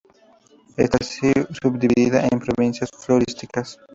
Está subdividida en provincias florísticas.